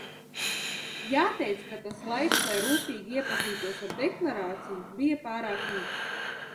Jāteic, ka tas laiks, lai rūpīgi iepazītos ar deklarāciju, bija pārāk īss.